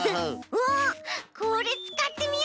うおこれつかってみよ。